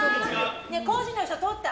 工事の人通った？